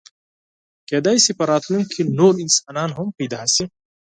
کېدی شي په راتلونکي کې نور انسانان هم پیدا شي.